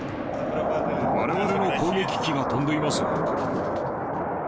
われわれの攻撃機が飛んでいます。